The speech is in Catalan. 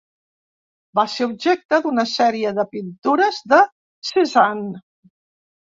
Va ser objecte d'una sèrie de pintures de Cézanne.